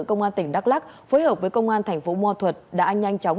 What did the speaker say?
công an tỉnh đắk lắc phối hợp với công an thành phố mò thuật đã nhanh chóng